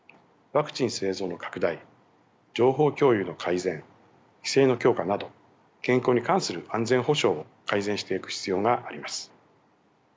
ワクチン製造の拡大情報共有の改善規制の強化など健康に関する安全保障を改善していく必要があります。